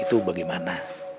dicuekin itu bagaimana